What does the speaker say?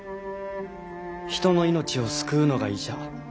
人の命を救うのが医者。